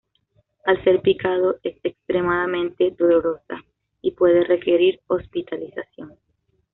Al ser picado es extremadamente dolorosa y puede requerir hospitalización.